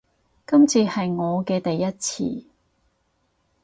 今次係我嘅第一次